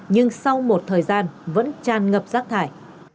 nhưng sau một thời gian vẫn tràn ngập rác thải